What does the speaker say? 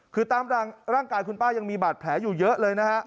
คือตามร่างกายคุณป้ายังมีบาดแผลอยู่เยอะเลยนะฮะ